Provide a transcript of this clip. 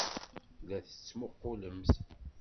La d-tettmuqqulemt.